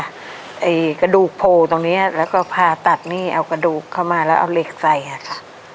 ไอ้กระดูกโผล่ตรงนี้แล้วก็ผ่าตัดนี่เอากระดูกเข้ามาแล้วเอาเหล็กใส่ค่ะ